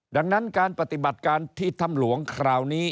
ดังนั้นการปฏิบัติการที่ถ้ำหลวงคราวนี้